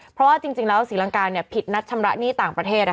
เพราะว่าจริงแล้วศรีลังกาผิดนัดชำระหนี้ต่างประเทศ